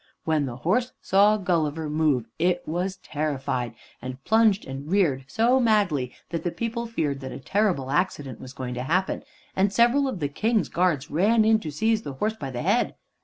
When the horse saw Gulliver move it was terrified, and plunged and reared so madly that the people feared that a terrible accident was going to happen, and several of the King's guards ran in to seize the horse by the head.